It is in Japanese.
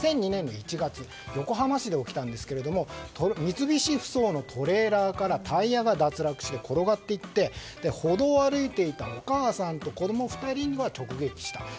横浜市で起きたんですけれども三菱ふそうのトレーラーからタイヤが脱落して転がっていって歩道を歩いていたお母さんと子供２人に直撃した。